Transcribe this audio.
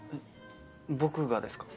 僕がですか？